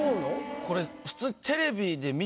これ普通。